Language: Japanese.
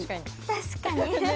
確かに。